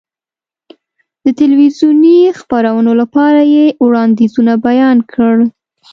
د تلویزیوني خپرونو لپاره یې وړاندیزونه بیان کړل.